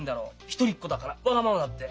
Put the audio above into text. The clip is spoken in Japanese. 一人っ子だからわがままだって。